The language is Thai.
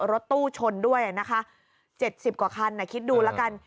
รถตู้ชนด้วยนะคะ๗๐กว่าคันคิดดูแล้วกัน